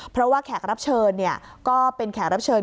เพราะว่าแขกรับเชิญก็เป็นแขกรับเชิญ